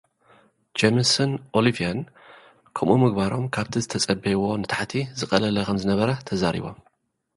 ጀምስን ኦሊብያንን ከምኡ ምግባሮም ካብቲ ዝተጸበይዎ ንታሕቲ ዝቐለለ ከምዝነበረ ተዛሪቦም።